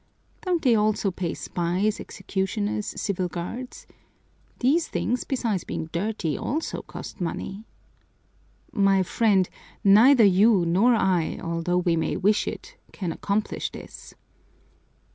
Don't they also pay spies, executioners, civil guards? These things, besides being dirty, also cost money." "My friend, neither you nor I, although we may wish it, can accomplish this."